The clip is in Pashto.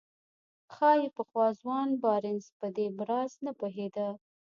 ښايي پخوا ځوان بارنس په دې راز نه پوهېده.